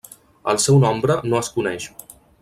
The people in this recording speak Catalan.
El seu nombre no es coneix.